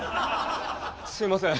すいません。